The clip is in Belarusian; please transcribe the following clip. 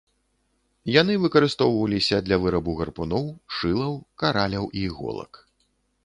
Яны выкарыстоўваліся для вырабу гарпуноў, шылаў, караляў і іголак.